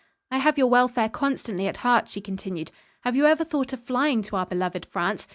"I have your welfare constantly at heart," she continued. "Have you ever thought of flying to our beloved France?